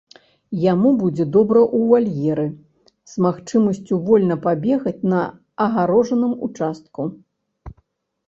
Яму будзе добра ў вальеры з магчымасцю вольна пабегаць на агароджаным участку.